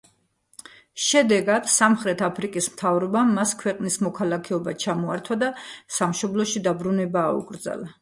შედეგად, სამხრეთ აფრიკის მთავრობამ მას ქვეყნის მოქალაქეობა ჩამოართვა და სამშობლოში დაბრუნება აუკრძალა.